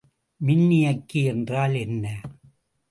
மின்னியக்கி என்றால் என்ன?